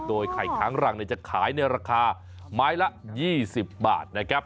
โดยไข่ค้างรังจะขายในราคาไม้ละ๒๐บาทนะครับ